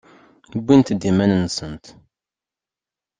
Wwint-d iman-nsent.